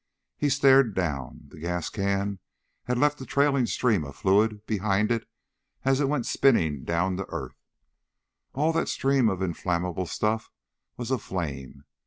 He stared down. The gas can had left a trailing stream of fluid behind it as it went spinning down to earth. All that stream of inflammable stuff was aflame.